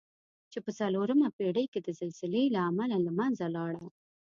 چې په څلورمه پېړۍ کې د زلزلې له امله له منځه لاړه.